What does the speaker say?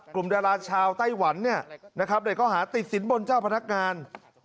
กลุ่มดาราชาวไต้หวันโดยก็หาติดสินบนเจ้าพนักงาน